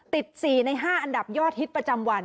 ติด๔ใน๕อันดับยอดฮิตประจำวัน